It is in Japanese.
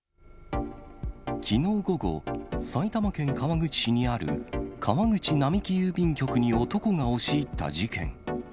きのう午後、埼玉県川口市にある川口並木郵便局に男が押し入った事件。